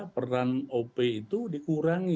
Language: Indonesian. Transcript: peran op itu dikurangi